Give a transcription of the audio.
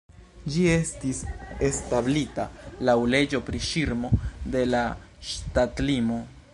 Ĝi estis establita laŭ leĝo pri ŝirmo de la ŝtatlimo.